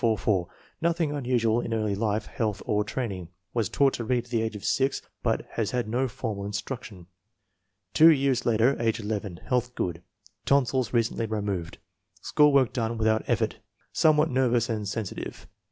Nothing unusual in early life, health, or training. Was taught to read at the age of 6, but has had no formal instruction. Two years later, age 11. Health good. Tonsils recently removed. School work done without effort. Somewhat nervous and sensitive.